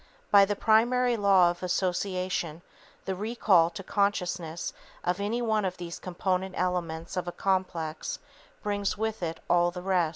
By the primary law of association the recall to consciousness of any one of these component elements of a complex brings with it all the rest_.